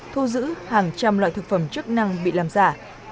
thu giữ hàng trăm loại thực phẩm chức năng bị làm giả